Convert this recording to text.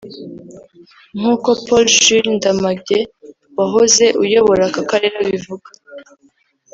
nk’uko Paul Jules Ndamage wahoze uyobora aka Karere abivuga